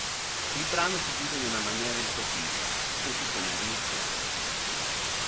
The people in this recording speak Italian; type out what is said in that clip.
Il brano si chiude in una maniera improvvisa, così come era iniziato.